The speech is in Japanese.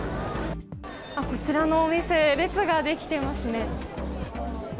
こちらのお店列ができていますね。